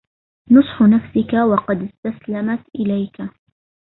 نُصْحُ نَفْسِك وَقَدْ اسْتَسْلَمَتْ إلَيْك